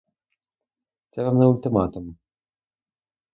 Це вам не ультиматум!